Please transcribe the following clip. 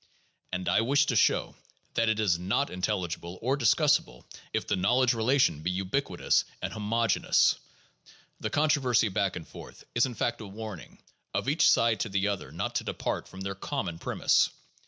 And I wish to show that it is not intelligible or discussable if the knowledge relation be ubiquitous and homogeneous. The controversy back and forth is in fact a warning of each side to the other not to depart from their common premise.